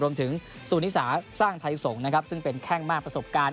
ซูนิสาสร้างไทยสงศ์นะครับซึ่งเป็นแข้งมากประสบการณ์